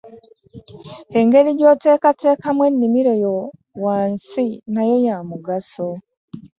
Engeri gy’oteekateekamu ennimiro yo wansi nayo ya mugaso.